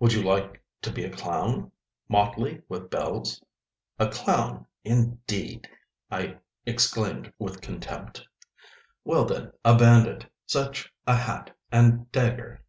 "Would you like to be a clown? Motley with bells." "A clown, indeed!" I exclaimed with contempt. "Well, then, a bandit. Such a hat and dagger!"